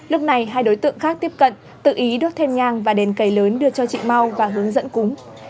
lúc này hai đối tượng khác tiếp cận tự ý đốt thêm nhang và đền cây lớn đưa cho chị mau và hướng dẫn cúng